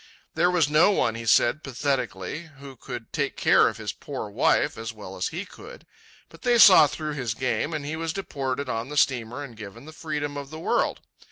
There was no one, he said pathetically, who could take care of his poor wife as well as he could. But they saw through his game, and he was deported on the steamer and given the freedom of the world.